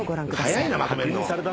早いなまとめんの。